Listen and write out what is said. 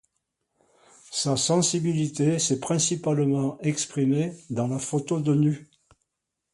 Sa sensibilité s’est principalement exprimée dans la photo de nu.